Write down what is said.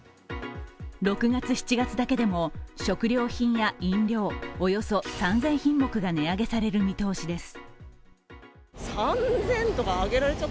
６月、７月だけでも食料品や飲料、およそ３０００品目が値上げされる見通しです。